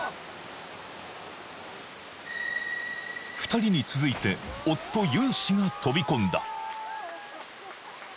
２人に続いて夫ユン氏が飛び込んだ